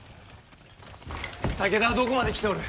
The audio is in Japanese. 武田はどこまで来ておる。